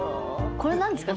これ何ですか？